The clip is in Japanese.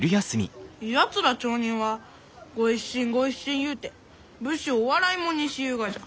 やつら町人は「ご一新ご一新」言うて武士を笑い者にしゆうがじゃ。